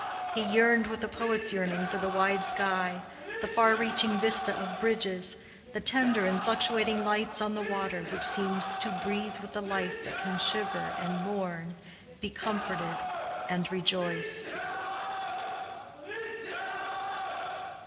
He yearned with a poet's yearning for the wide sky, the far reaching vista of bridges, the tender and fluctuating lights on the water which seems to breathe with a life that can shiver and mourn, be comforted and rejoice.